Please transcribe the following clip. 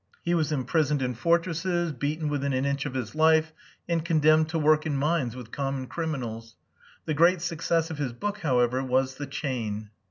He was imprisoned in fortresses, beaten within an inch of his life, and condemned to work in mines, with common criminals. The great success of his book, however, was the chain.